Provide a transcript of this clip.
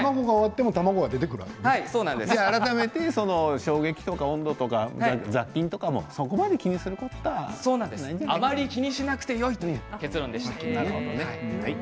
改めて衝撃とか温度とか、雑菌とかもそこまで気にすることはあまりキニシナクテよいということでした。